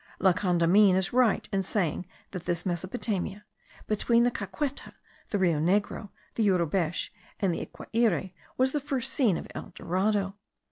La Condamine is right in saying that this Mesopotamia, between the Caqueta, the Rio Negro, the Yurubesh, and the Iquiare, was the first scene of El Dorado.